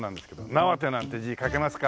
「畷」なんて字書けますか？